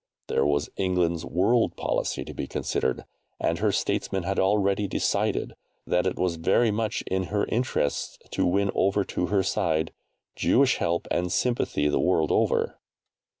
There was England's world policy to be considered, and her Statesmen had already decided that it was very much in her interests to win over to her side Jewish help and sympathy the world over.